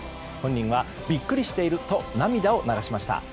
本人はビックリしていると涙を流しました。